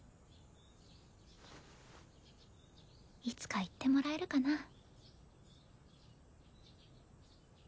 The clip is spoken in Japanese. いつか言ってもらえるかな。